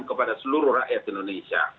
kepada seluruh rakyat indonesia